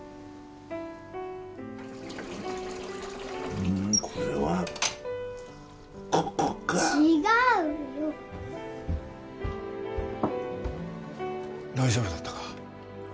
うんこれはここか違うよ大丈夫だったか？